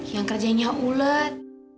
yang kerjanya ulet